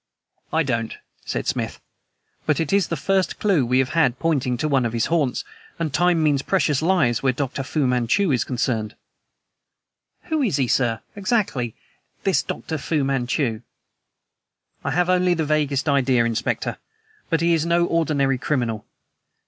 "I don't," said Smith; "but it is the first clew we have had pointing to one of his haunts, and time means precious lives where Dr. Fu Manchu is concerned." "Who is he, sir, exactly, this Dr. Fu Manchu?" "I have only the vaguest idea, Inspector; but he is no ordinary criminal.